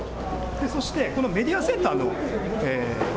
そしてこのメディアセンターの場